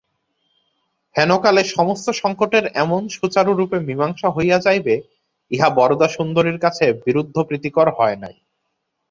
হেনকালে সমস্ত সংকটের এমন সুচারুরূপে মীমাংসা হইয়া যাইবে ইহা বরদাসুন্দরীর কাছে বিরুদ্ধপ্রীতিকর হয় নাই।